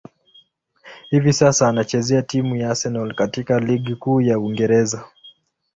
Hivi sasa, anachezea timu ya Arsenal katika ligi kuu ya Uingereza.